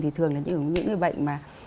thì thường là những người bệnh mà